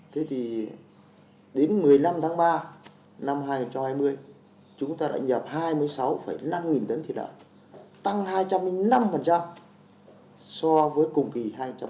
thế thì đến một mươi năm tháng ba năm hai nghìn hai mươi chúng ta đã nhập hai mươi sáu năm nghìn tấn thịt lợn tăng hai trăm linh năm so với cùng kỳ hai nghìn một mươi chín